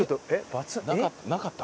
なかった？